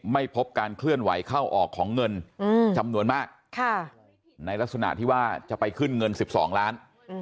ไม่พบการเคลื่อนไหวเข้าออกของเงินจำนวนมากในลักษณะที่ว่าจะไปขึ้นเงิน๑๒ล้าน